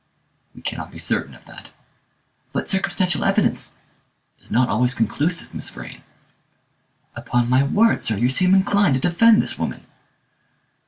"We cannot be certain of that." "But circumstantial evidence " "Is not always conclusive, Miss Vrain." "Upon my word, sir, you seem inclined to defend this woman!"